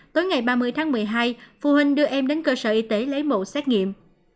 tối ngày ba mươi tháng một mươi hai phụ huynh đưa em đến cơ sở y tế lấy mẫu xét nghiệm